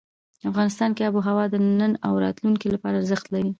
افغانستان کې آب وهوا د نن او راتلونکي لپاره ارزښت لري.